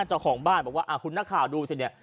เจ้าของบ้านบอกว่าคุณนักข่าวดูสิเนี่ย